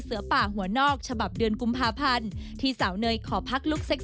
ขึ้นปกเพลย์บอยค่ะ